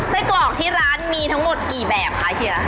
ไส้กรอกที่ร้านมีทั้งหมดกี่แบบคะเฮีย